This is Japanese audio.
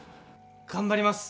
頑張ります！